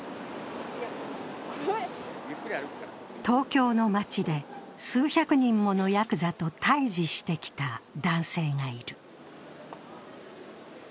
東京の街で数百人ものヤクザと対峙してきた男性がいる。